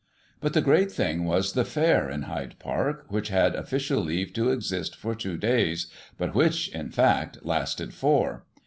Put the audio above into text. But the great thing was the Fair in Hyde Park, which had official leave to exist for two days — ^but which, in fact, lasted four.